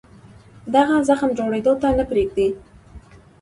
دغه زخم جوړېدو ته نه پرېږدي.